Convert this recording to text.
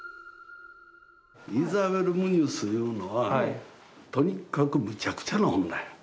イサベル・ムニョスいうのはとにかくむちゃくちゃな女や。